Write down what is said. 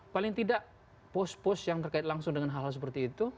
paling tidak pos pos yang terkait langsung dengan hal hal seperti itu